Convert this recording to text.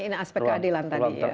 ini aspek keadilan tadi ya